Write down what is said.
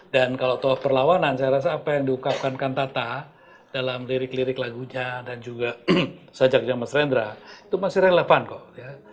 dan kalau toh perlawanan saya rasa apa yang diukapkan kantata dalam lirik lirik lagunya dan juga sajaknya mas rendra itu masih relevan kok ya